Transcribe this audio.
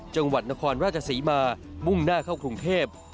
จังหวัดนครราชศรีมามุ่งหน้าเข้ากรุงเทพ